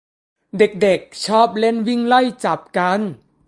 เด็กเด็กชอบเล่นวิ่งไล่จับกัน